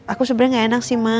aku sebenernya gak enak sih ma